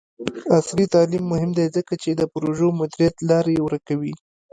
عصري تعلیم مهم دی ځکه چې د پروژې مدیریت لارې ورکوي.